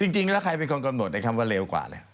จริงแล้วใครเป็นคนกำหนดในคำว่าเลวกว่า